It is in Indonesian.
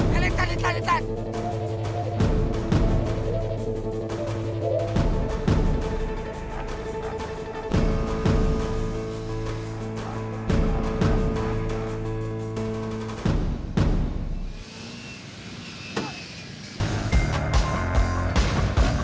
terima kasih sekali hyun